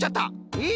えっ！？